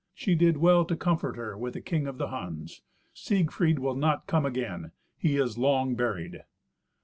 She did well to comfort her with the king of the Huns. Siegfried will not come again. He is long buried."